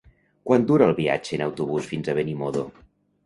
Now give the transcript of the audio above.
Quant dura el viatge en autobús fins a Benimodo?